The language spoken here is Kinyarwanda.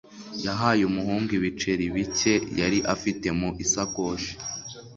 yahaye umuhungu ibiceri bike yari afite mu isakoshi